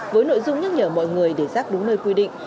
với nội dung nhắc nhở mọi người để rác đúng nơi quy định